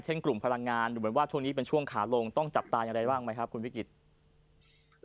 กลุ่มพลังงานดูเหมือนว่าช่วงนี้เป็นช่วงขาลงต้องจับตาอย่างไรบ้างไหมครับคุณวิกฤต